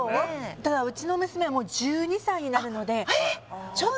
ただうちの娘はもう１２歳になるのでえっ